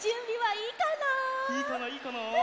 いいかないいかな？